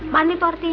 mani tuh artinya